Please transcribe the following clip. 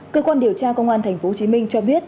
cơ quan điều tra công an tp hcm cho biết